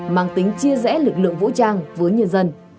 mang tính chia rẽ lực lượng vũ trang với nhân dân